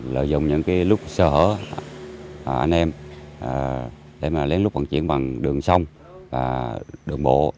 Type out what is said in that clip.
lợi dụng những lúc sơ hở anh em để mà lén lút vận chuyển bằng đường sông đường bộ